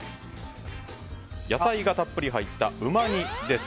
野菜がたっぷり入ったうま煮です。